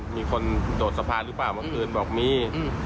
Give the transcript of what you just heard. มีคนโดดสะพานหรือเปล่าเมื่อคืนบอกมี